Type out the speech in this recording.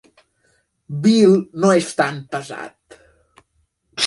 Bill no és tan pesat.